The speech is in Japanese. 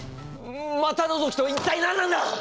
股のぞきとは一体何なんだ！？